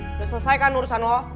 sudah selesai kan urusan allah